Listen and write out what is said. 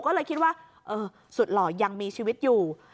ก็เลยคิดว่าเออสุดหล่อยังมีชีวิตอยู่